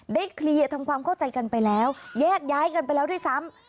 เคลียร์ทำความเข้าใจกันไปแล้วแยกย้ายกันไปแล้วด้วยซ้ำ